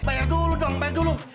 bayar dulu dong bayar dulu